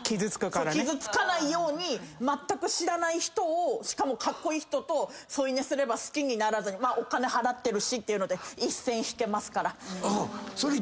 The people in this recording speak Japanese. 傷つかないように知らない人をしかもカッコイイ人と添い寝すれば好きにならずにお金払ってるしっていうので一線引けますから。